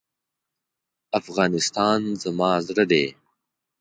افغانستان زما زړه دی.